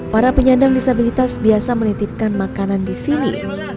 para penyandang disabilitas biasa menitipkan makanan disini